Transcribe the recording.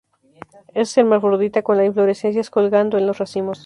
Es hermafrodita con las inflorescencias colgando en racimos.